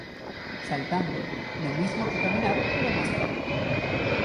Saltando: Lo mismo que caminar pero más corto.